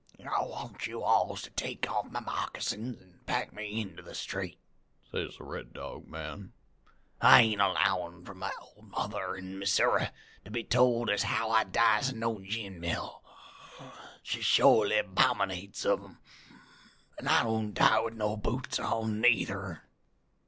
"'I wants you alls to take off my moccasins an' pack me into the street,' says the Red Dog man. 'I ain't allowin' for my old mother in Missoury to be told as how I dies in no gin mill, which she shorely 'bominates of 'em. An' I don't die with no boots on, neither.'